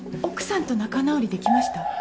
奥さんと仲直りできました？